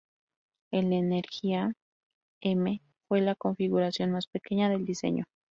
El "Energía M" fue la configuración más pequeña del diseño.